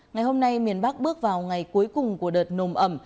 ngày hôm nay miền bắc bước vào ngày cuối cùng của đợt nồm ẩm